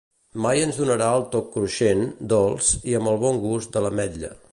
Mai ens donarà el toc cruixent, dolç i amb el bon gust de l'ametlla.